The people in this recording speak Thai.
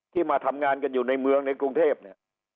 มาทำงานกันอยู่ในเมืองในกรุงเทพเนี่ย